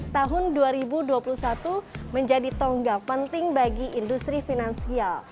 tahun dua ribu dua puluh satu menjadi tonggak penting bagi industri finansial